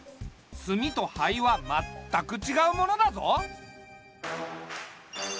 炭と灰は全くちがうものだぞ。